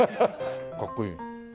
かっこいい。